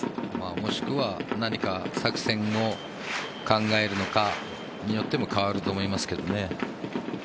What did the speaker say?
もしくは何か作戦を考えるのかによっても変わると思いますけどね。